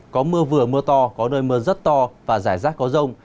có mưa vừa mưa to có nơi mưa rất to và rải rác có rông